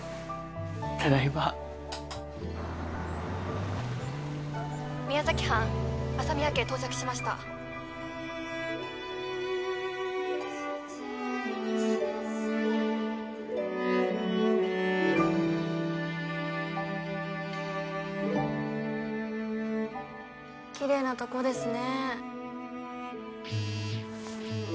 ただいま宮崎班朝宮家到着しましたキレイなとこですね